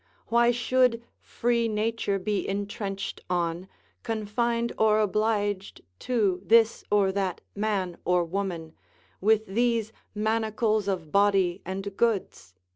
why should free nature be entrenched on, confined or obliged, to this or that man or woman, with these manacles of body and goods?